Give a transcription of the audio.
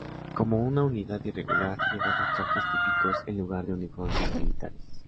Como una unidad irregular, llevaban trajes típicos en lugar de uniformes militares.